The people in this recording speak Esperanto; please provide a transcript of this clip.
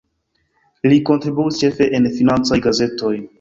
Li kontribuis ĉefe en financaj gazetoj.